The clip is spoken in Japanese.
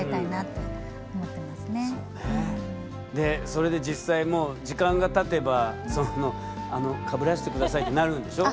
それで実際時間がたてばかぶらして下さいってなるんでしょ？